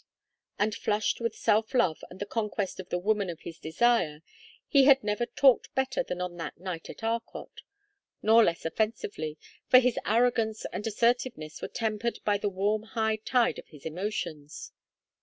And flushed with self love and the conquest of the woman of his desire, he had never talked better than on that night at Arcot; nor less offensively, for his arrogance and assertiveness were tempered by the warm high tide of his emotions.